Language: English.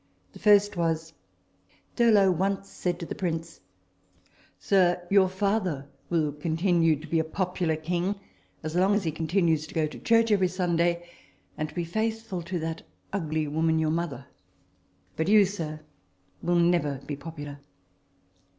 The first was : Thurlow once said to the Prince, " Sir, your father will continue to be a popular King as long as he continues to go to church every TABLE TALK OF SAMUEL ROGERS 29 Sunday, and to be faithful to that ugly woman, your mother ; but you, sir, will never be popular."